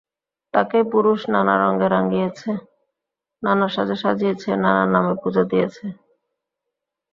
তাকেই পুরুষ নানা রঙে রাঙিয়েছে, নানা সাজে সাজিয়েছে, নানা নামে পুজো দিয়েছে।